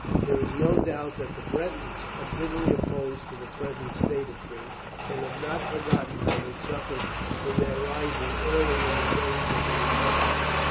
There is no doubt that the Bretons are bitterly opposed to the present state of things, and have not forgotten how they suffered in their rising early in the days of the Republic.